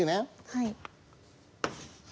はい。